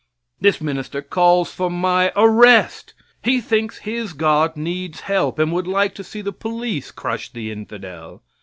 This minister calls for my arrest. He thinks his God needs help, and would like to see the police crush the infidel.